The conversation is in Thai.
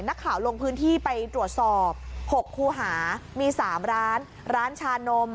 นักข่าวลงพื้นที่ไปตรวจสอบ๖คูหามี๓ร้านร้านชานม